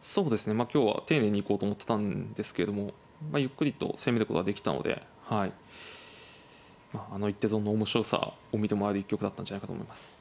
そうですねまあ今日は丁寧に行こうと思ってたんですけれどもゆっくりと攻めることができたのではいまああの一手損の面白さを見てもらえる一局だったんじゃないかと思います。